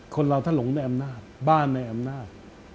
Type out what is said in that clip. คนเราถ้าหลงในอำนาจบ้านในอำนาจ